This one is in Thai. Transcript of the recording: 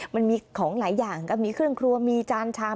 มันมีของหลายอย่างก็มีเครื่องครัวมีจานชาม